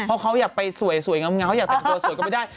เพราะเขาอยากไปสวยสวยงามเขาอยากแต่งตัวสวยก็ไม่ได้